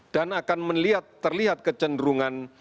dan akan terlihat kecenderungan